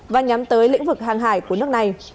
và nhắm tới lĩnh vực hàng hải của nước này